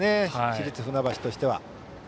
市立船橋としては。